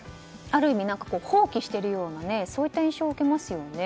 ある意味、放棄しているようなそういった印象を受けますよね。